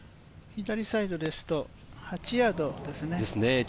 左サイドですと８ヤードですね。